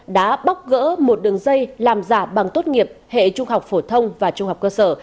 đã bóc gỡ một đường dây làm giả bằng tốt nghiệp hệ trung học phổ thông và trung học cơ sở